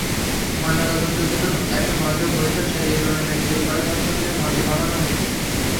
ময়নাতদন্তের জন্য তাঁদের মরদেহ বরিশাল শের-ই-বাংলা মেডিকেল কলেজ হাসপাতালের মর্গে পাঠানো হয়েছে।